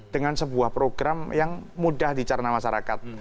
dengan sebuah program yang mudah dicarna masyarakat